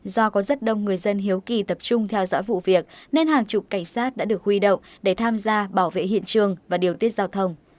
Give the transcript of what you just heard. do có rất đông người dân hiếu kỳ tập trung theo dõi vụ việc nên hàng chục cảnh sát đã được huy động để tham gia bảo vệ hiện trường và điều tiết giao thông